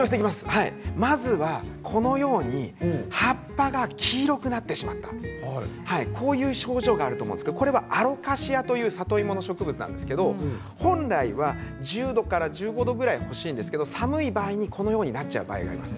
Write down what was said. まずはこのように葉っぱが黄色くなってしまったこういう症状があるんですけどこれはアロカシアという里芋の植物なんですが本来は１０度から１５度ぐらい欲しいんですが寒い場合このようになってしまいます。